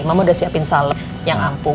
mama udah siapin sale yang ampuh